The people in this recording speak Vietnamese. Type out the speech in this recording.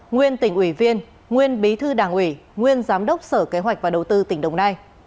nguyên tỉnh ủy viên nguyên bí thư đảng ủy nguyên giám đốc sở kế hoạch và đầu tư tỉnh đồng nai